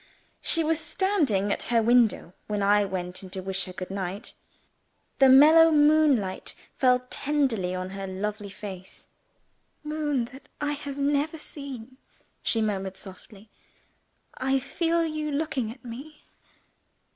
She was standing at her window when I went in to wish her good night. The mellow moonlight fell tenderly on her lovely face. "Moon that I have never seen," she murmured softly, "I feel you looking at me!